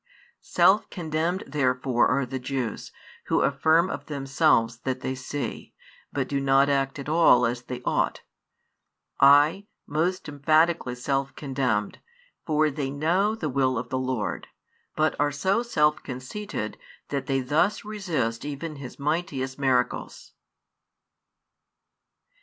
Self condemned therefore are the Jews, who affirm of themselves that they see, but do not act at all as they ought; aye, most emphatically self condemned, for they know the will of the Lord, but are so self conceited that they thus resist even His mightiest miracles.